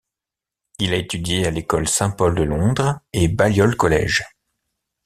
Il a étudié à l'École Saint-Paul de Londres et Balliol College.